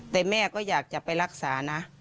แต่แม่ก็อยากจะไปรักษานะ